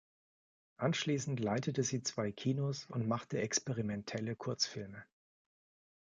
Anschließend leitete sie zwei Kinos und machte experimentelle Kurzfilme.